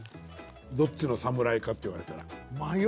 どっちのサムライかって言われたら。